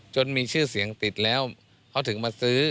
มีชื่อเสียงติดแล้วเขาถึงมาซื้อ